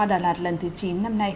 đà lạt tp hcm